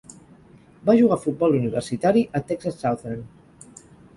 Va jugar a futbol universitari a Texas Southern.